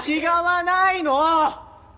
違わないの！